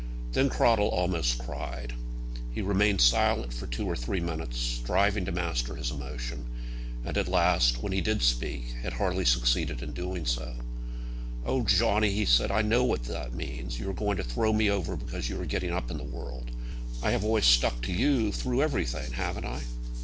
Then Cradell almost cried. He remained silent for two or three minutes, striving to master his emotion; and at last, when he did speak, had hardly succeeded in doing so. "Oh, Johnny," he said, "I know what that means. You are going to throw me over because you are getting up in the world. I have always stuck to you, through everything; haven't I?"